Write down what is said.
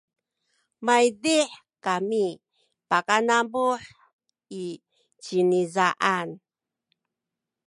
maydih kami pakanamuh i cinizaan